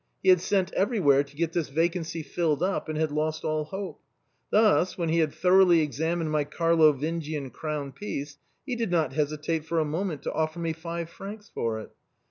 He had sent everywhere to get this vacancy filled up, and had lost all hope. Thus, when he had thoroughly examined my Carlovingian crown piece, he did not hesitate a moment to offer me five francs for it.